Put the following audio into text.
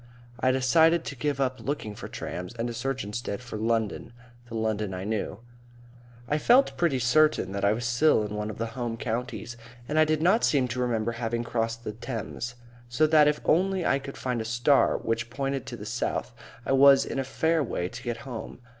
I decided to give up looking for trams and to search instead for London the London that I knew. I felt pretty certain that I was still in one of the Home Counties, and I did not seem to remember having crossed the Thames, so that if only I could find a star which pointed to the south I was in a fair way to get home.